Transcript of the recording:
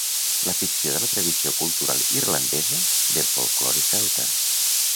La ficció de la tradició cultural irlandesa, del folklore celta.